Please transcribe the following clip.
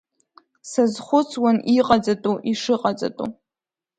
Сазхәыцуан иҟаҵатәу, ишыҟаҵатәу.